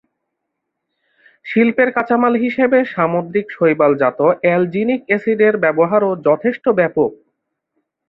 শিল্পের কাঁচামাল হিসেবে সামুদ্রিক শৈবালজাত অ্যালজিনিক এসিডের ব্যবহারও যথেষ্ট ব্যাপক।